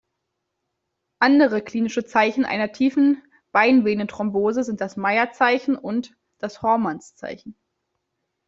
Andere klinische Zeichen einer tiefen Beinvenenthrombose sind das Meyer-Zeichen und das Homans-Zeichen.